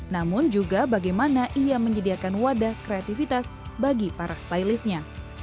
namun juga bagaimana ia menyediakan wadah kreativitas bagi para stylistnya